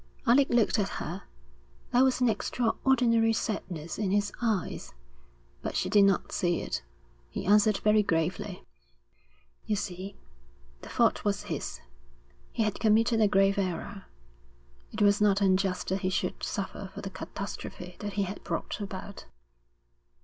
Alec looked at her. There was an extraordinary sadness in his eyes, but she did not see it. He answered very gravely. 'You see, the fault was his. He had committed a grave error. It was not unjust that he should suffer for the catastrophe that he had brought about.'